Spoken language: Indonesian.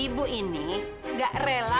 ibu ini gak rela